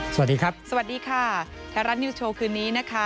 สวัสดีครับสวัสดีค่ะไทยรัฐนิวสโชว์คืนนี้นะคะ